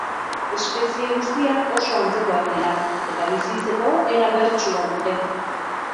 Espezie guztiak oso antzekoak dira, eta bizitzeko era bertsua dute.